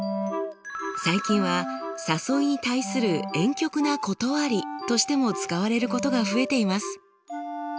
最近は誘いに対するえん曲な断りとしても使われることが増えています。